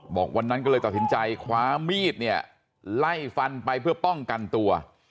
บอกวันนั้นก็เลยตัดสินใจคว้ามีดเนี่ยไล่ฟันไปเพื่อป้องกันตัว